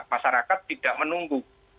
masyarakat tidak menunggu